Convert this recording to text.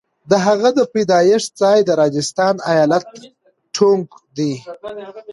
د هغه د پیدایښت ځای د راجستان ایالت ټونک دی.